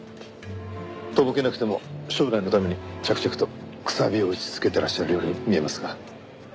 とぼけなくても将来のために着々と楔を打ち続けてらっしゃるように見えますが。